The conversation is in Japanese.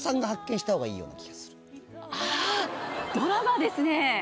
あドラマですね！